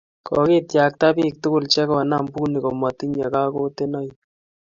kokityakta biik tugul chekonam bunik komotinyei kakotunoik